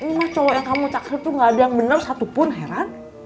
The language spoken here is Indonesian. emang cowok yang kamu taksir tuh gak ada yang bener satupun heran